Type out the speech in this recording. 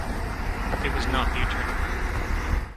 It was not the attorney.